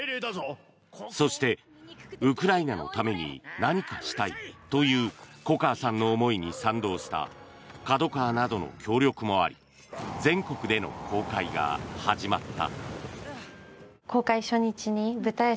そして、ウクライナのために何かしたいという粉川さんの思いに賛同したＫＡＤＯＫＡＷＡなどの協力もあり全国での公開が始まった。